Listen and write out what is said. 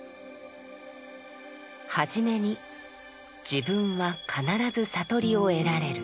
初めに「自分は必ず悟りを得られる。